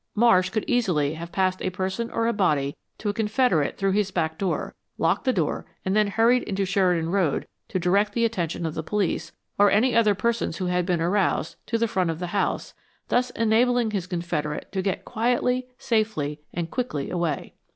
Marsh could easily have passed a person or a body to a confederate through his back door, locked the door and then hurried into Sheridan Road to direct the attention of the police, or any other persons who had been aroused, to the front of the house, thus enabling his confederate to get quietly, safely and quickly away.